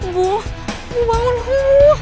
bu bu bangun bu